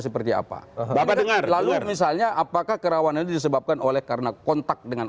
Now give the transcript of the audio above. seperti apa bapak dengar lalu misalnya apakah kerawanannya disebabkan oleh karena kontak dengan